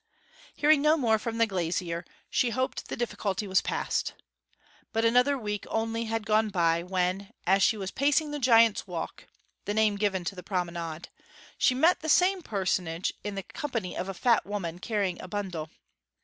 Hearing no more from the glazier she hoped the difficulty was past. But another week only had gone by, when, as she was pacing the Giant's Walk (the name given to the promenade), she met the same personage in the company of a fat woman carrying a bundle.